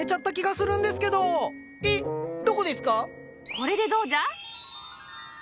これでどうじゃ？